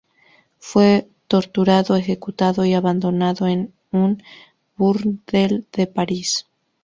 Fue torturado, ejecutado y abandonado en un burdel de París.